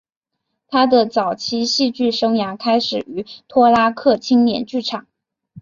他的早期戏剧生涯开始于托拉克青年剧场。